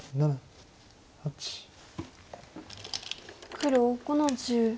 黒５の十。